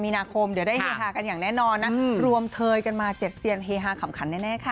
เปล่าลงค่ะ